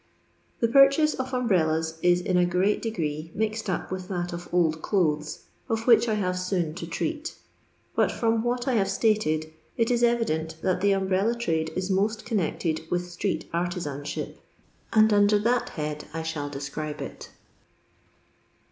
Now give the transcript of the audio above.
The purchase of umbrellas is in a great degree mixed up with that of old clothes, of which I have soon to treat; but from what I have stated it is evident that the umbrella trade is most connected with Btreet artiianship, and under that head 1 shall describe it.